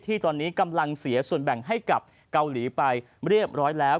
ที่ตอนนี้กำลังเสียส่วนแบ่งให้กับเกาหลีไปเรียบร้อยแล้ว